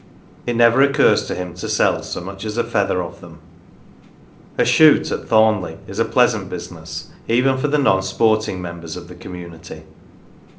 It never occurs to him to sell so much as a feather of them. " A shoot " at Thornleigh is a pleasant business even for the non sporting members of the community.